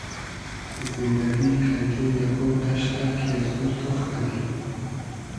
زیندئگی کئنتې اگۉ دئشتۂ کی از دور تۉخ کئنی